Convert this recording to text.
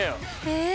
え